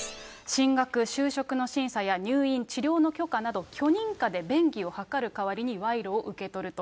進学、就職の審査や、入院、治療の許可など、許認可で便宜を図る代わりに、賄賂を受け取ると。